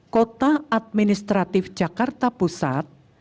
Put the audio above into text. kota administratif jakarta pusat